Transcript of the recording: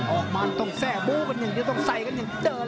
ออกมาต้องแทร่บู้กันอย่างเดียวต้องใส่กันอย่างเดิน